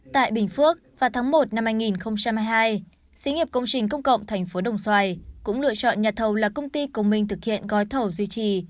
tại bình phước vào tháng một năm hai nghìn hai mươi hai sĩ nghiệp công trình công cộng tp đồng xoài cũng lựa chọn nhà thầu là công ty công minh thực hiện gói thầu duy trì